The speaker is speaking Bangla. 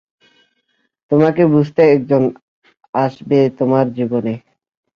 তোমাকে বুঝতে একজন আসবে তোমার জীবনে।